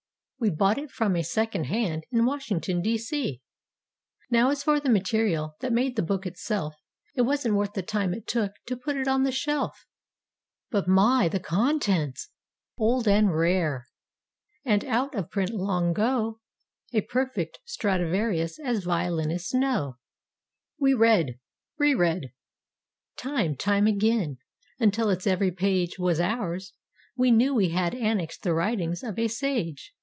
We bought it from a "Second Hand" in Washing¬ ton, D. C. Now, as for the material, that made the book itself It wasn't worth the time it took to put it on the shelf. But my, the contents! Old and rare. And out of print long 'go: A perfect Stradivarius, as violinists know. We read, re read, time, time again until its every page Was ours. We knew we had annexed the writings of a sage.